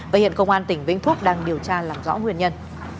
và hiện công an tỉnh vĩnh phúc đang điều tra làm rõ nguyên nhân